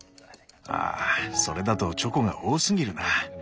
ああそれだとチョコが多すぎるな。